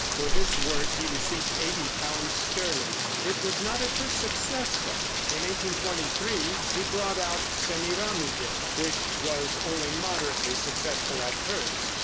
For this work he received eighty pounds sterling. It was not at first successful. In 1823 he brought out "Semiramide," which was only moderately successful at first.